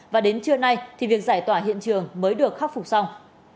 và đến trưa nay thì việc giải tỏa hiện trường mới được khắc phục xong